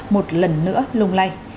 một lần nữa lùng lay